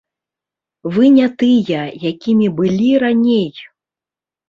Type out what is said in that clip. Вы не тыя, якімі былі раней!